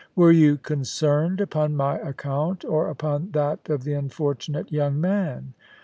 Were you concerned upon my account or upon that of the unfortunate young man